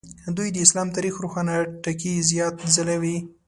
دوی د اسلام تاریخ روښانه ټکي زیات ځلوي.